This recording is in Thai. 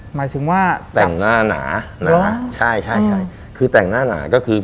หมายถึงว่าแต่งหน้าน้าเออ